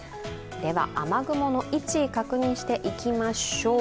雨雲の位置、確認していきましょう